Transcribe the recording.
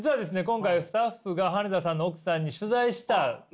今回スタッフが羽根田さんの奥さんに取材したということで。